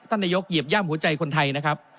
นายกเหยียบย่ำหัวใจคนไทยนะครับ